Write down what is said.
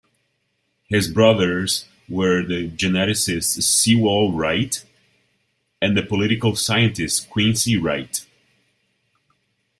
His brothers were the geneticist Sewall Wright, and the political scientist Quincy Wright.